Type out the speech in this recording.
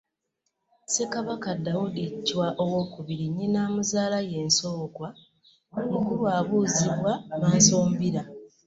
Ssekabaka Daudi Ccwa II nnyina amuzaala ye Nsookwa Mukulwabuuzibwa Maasombira.